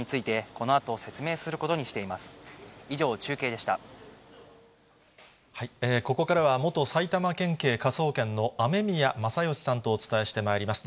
ここからは元埼玉県警科捜研の雨宮正欣さんとお伝えしてまいります。